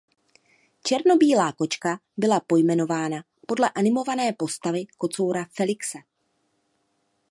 Černobílá kočka byla pojmenována podle animované postavy kocoura Felixe.